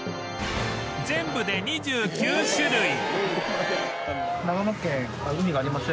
全部で２９種類